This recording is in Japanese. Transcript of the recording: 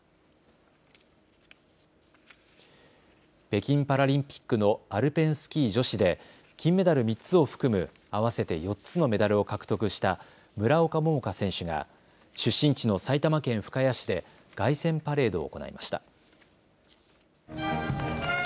北京パラリンピックのアルペンスキー女子で金メダル３つを含む合わせて４つのメダルを獲得した村岡桃佳選手が出身地の埼玉県深谷市で凱旋パレードを行いました。